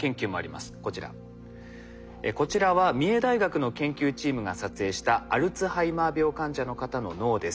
こちらは三重大学の研究チームが撮影したアルツハイマー病患者の方の脳です。